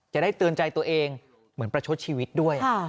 จะได้เตือนใจตัวเองเหมือนประชดชีวิตด้วย